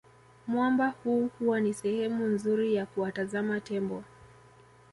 Mwamba huu huwa ni sehemu nzuri ya kuwatazama Tembo